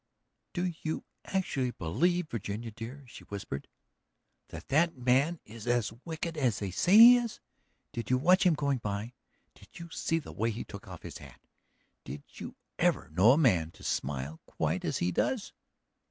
"Do you actually believe, Virginia dear," she whispered, "that that man is as wicked as they say he is? Did you watch him going by? Did you see the way he took off his hat? Did you ever know a man to smile quite as he does?"